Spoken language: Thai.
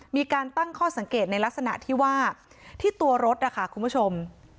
มีการตั้งข้อสังเกตในลักษณะที่ว่าที่ตัวรถนะคะคุณผู้ชม